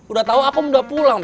udah tahu aku udah pulang